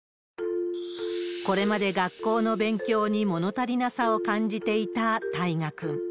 これまで学校の勉強に物足りなさを感じていた大芽くん。